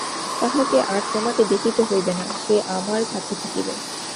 তাহাকে আর তোমাকে দেখিতে হইবে না– সে আমার কাছে থাকিবে!